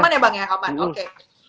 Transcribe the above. aman ya bang ya aman oke